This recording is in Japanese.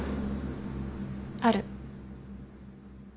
ある。